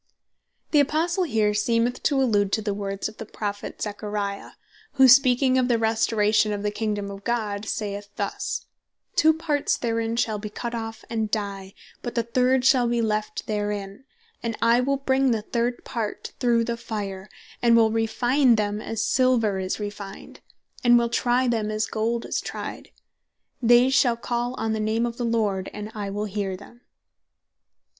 The Apostle here seemeth to allude to the words of the Prophet Zachary, Ch. 13. 8,9. who speaking of the Restauration of the Kingdome of God, saith thus, "Two parts therein shall be cut off, and die, but the third shall be left therein; and I will bring the third part through the Fire, and will refine them as Silver is refined, and will try them as Gold is tryed; they shall call on the name of the Lord, and I will hear them."